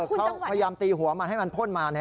เขาพยายามตีหัวมันให้มันพ่นมา